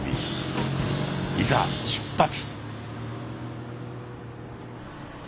いざ出発。